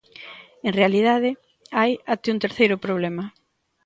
En realidade, hai até un terceiro problema.